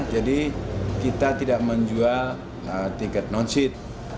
jadi kita tidak menjual tiket non seat